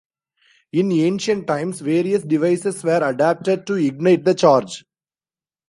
In ancient times various devices were adopted to ignite the charge.